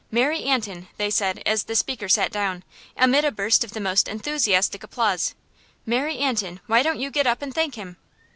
"Mary Antin," they said, as the speaker sat down, amid a burst of the most enthusiastic applause, "Mary Antin, why don't you get up and thank him?"